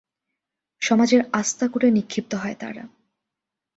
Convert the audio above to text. সমাজের আস্তাকুঁড়ে নিক্ষিপ্ত হয় তারা।